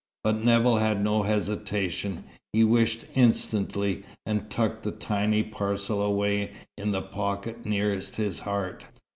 But Nevill had no hesitation. He wished instantly, and tucked the tiny parcel away in the pocket nearest his heart.